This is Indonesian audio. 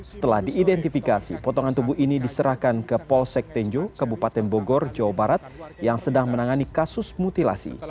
setelah diidentifikasi potongan tubuh ini diserahkan ke polsek tenjo kabupaten bogor jawa barat yang sedang menangani kasus mutilasi